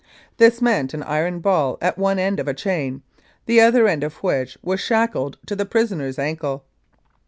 This meant an iron ball at one end of a chain, the other end of which was shackled to the prisoner's ankle.